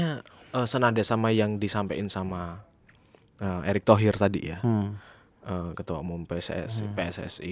sebenarnya senada sama yang disampaikan sama erick thohir tadi ya ketua umum pssi